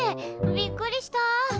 びっくりした！